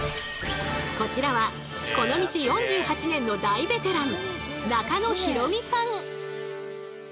こちらはこの道４８年の大ベテラン